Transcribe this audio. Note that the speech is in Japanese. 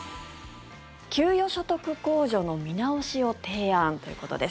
給与所得控除の見直しを提案ということです。